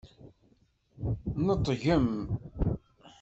Neṭgem!